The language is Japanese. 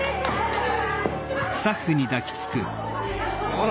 あら。